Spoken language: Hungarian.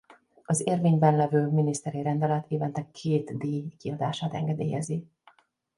Az érvényben levő miniszteri rendelet évente két díj kiadását engedélyezi.